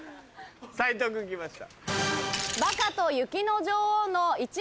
斉藤君来ました。